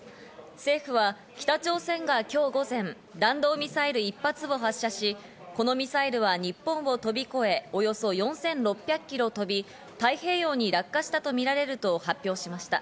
政府は、北朝鮮がきょう午前、弾道ミサイル１発を発射し、このミサイルは日本を飛び越えおよそ４６００キロ飛び、太平洋に落下したとみられると発表しました。